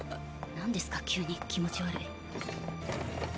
何ですか急に気持ち悪い。